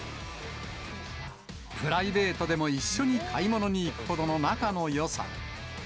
プライベートでも一緒に買い物に行くほどの仲のよさ。